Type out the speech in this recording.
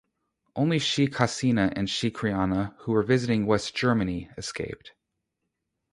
Only Sheikh Hasina and Sheikh Rehana, who were visiting West Germany, escaped.